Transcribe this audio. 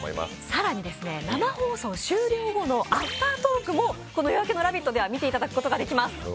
更にですね、生放送終了後のアフタートークもこの「夜明けのラヴィット！」では見ていただくことができます。